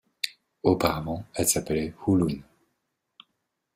Auparavant, elle s'appelait Hulun.